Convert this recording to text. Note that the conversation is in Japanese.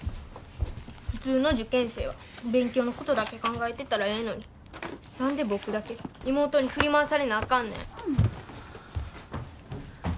普通の受験生は勉強のことだけ考えてたらええのに何で僕だけ妹に振り回されなあかんねん。